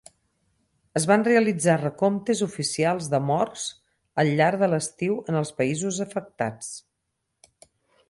Es van realitzar recomptes oficials de morts al llarg de l'estiu en els països afectats.